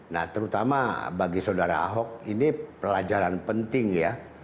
nah terutama bagi saudara ahok ini pelajaran penting ya